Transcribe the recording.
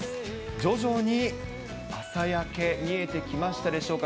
徐々に朝焼け、見えてきましたでしょうか。